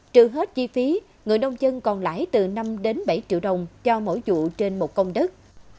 trừ hết chi phí người nông dân còn lãi từ năm đến bảy triệu đồng cho mỗi vụ trên một công đất